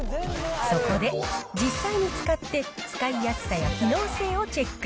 そこで、実際に使って使いやすさや機能性をチェック。